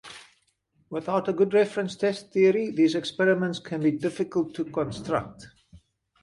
Without a good reference test theory, these experiments can be difficult to construct.